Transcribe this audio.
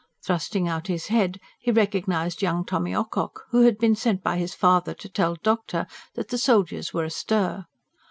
Thrusting out his head he recognised young Tommy Ocock, who had been sent by his father to tell "doctor" that the soldiers were astir.